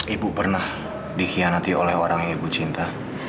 ibu pernah dikhianati oleh orang yang ibu cinta